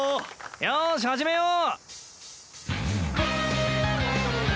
よし始めよう！